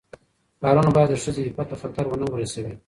کارونه باید د ښځې عفت ته خطر ونه رسوي.